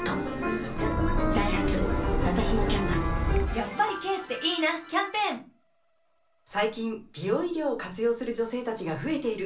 やっぱり軽っていいなキャンペーンよしこい！